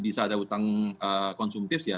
bisa ada utang konsumtif